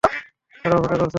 তারা অপেক্ষা করছেন।